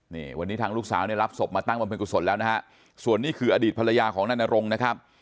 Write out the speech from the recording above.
นี่วันนี้ทางลูกสาวเนี่ยรับศพมาตั้งบำเน็กกุศลแล้วนะฮะส่วนนี้คืออดีตภรรยาของนายนรงค์นะครับ